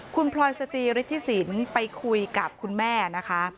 คุณพลอยสจิฤทธิสินไปคุยกับคุณแม่นะคะ